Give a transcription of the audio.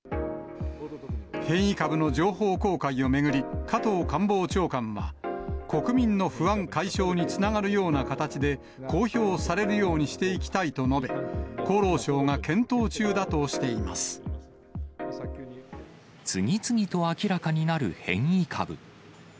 変異株の情報公開を巡り、加藤官房長官は、国民の不安解消につながるような形で、公表されるようにしていきたいと述べ、次々と明らかになる変異株。